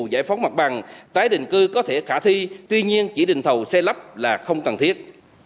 giải phóng mặt bằng tái định cư có thể khả thi tuy nhiên chỉ định thầu xe lắp là không cần thiết